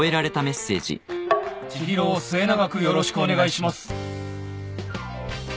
「知博を末永くよろしくお願いします！」